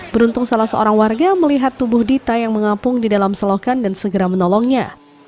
beruntung salah seorang warga melihat tubuh dita yang mengapung di dalam selokan dan segera menolongnya